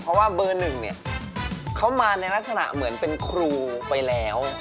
เพราะว่าเบอร์หนึ่งเนี่ยเขามาในลักษณะเหมือนเป็นครูไปแล้ว